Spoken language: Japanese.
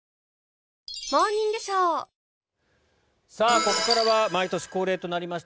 ここからは毎年恒例となりました